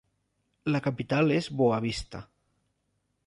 La capital és Boa Vista.